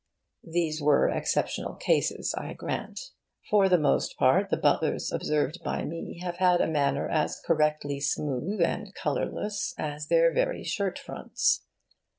These were exceptional cases, I grant. For the most part, the butlers observed by me have had a manner as correctly smooth and colourless as their very shirt fronts.